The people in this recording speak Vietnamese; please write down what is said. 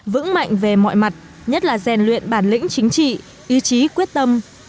vững mạnh về mọi mặt nhất là rèn luyện bản lĩnh chính trị ý chí quyết tâm